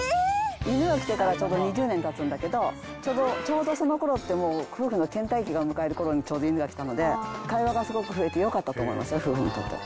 犬が来てからちょうど２０年たつんだけど、ちょうどそのころってもう、夫婦のけん怠期を迎えるころにちょうど犬が来たので、会話がすごく増えてよかったと思います、夫婦にとって。